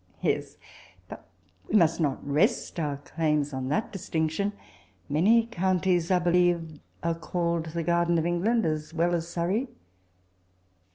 * •Ye8; but we muat not rest our claims on that diatinction. Many coun ties, I believe^ are called the garden of England, as well as Surrey.